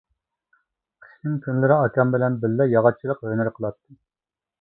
قىشنىڭ كۈنلىرى ئاكام بىلەن بىللە ياغاچچىلىق ھۈنىرى قىلاتتىم.